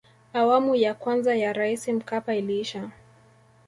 awamu ya kwanza ya raisi mkapa iliisha